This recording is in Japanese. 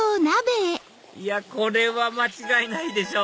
いやこれは間違いないでしょ！